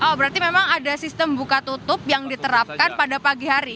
oh berarti memang ada sistem buka tutup yang diterapkan pada pagi hari